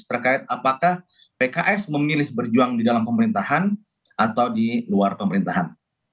terkait apakah pks memilih berjuang di dalam pemerintahan atau di luar pemerintahan